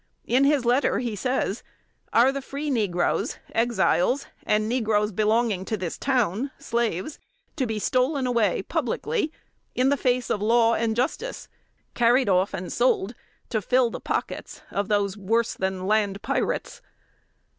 In his letter he says, "Are the free negroes (Exiles), and negroes belonging to this town (slaves), to be stolen away publicly in the face of law and justice carried off and sold to fill the pockets of those worse than land pirates?"